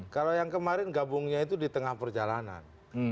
kalau yang kemarin gabungnya itu di tengah perjalanan